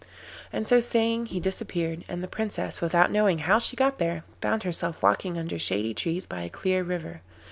And so saying he disappeared, and the Princess, without knowing how she got there, found herself walking under shady trees by a clear river.